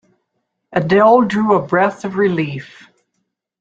Adele drew a breath of relief.